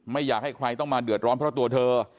ไม่อยากให้ใครต้องมาเดือดร้อนเพราะตัวเธอ